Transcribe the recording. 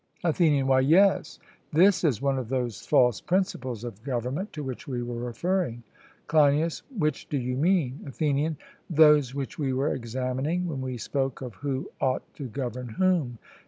ATHENIAN: Why, yes, this is one of those false principles of government to which we were referring. CLEINIAS: Which do you mean? ATHENIAN: Those which we were examining when we spoke of who ought to govern whom.